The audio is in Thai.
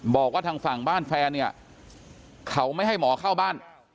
บอกว่าทางฝั่งบ้านแฟนเนี่ยเขาไม่ให้หมอเข้าบ้าน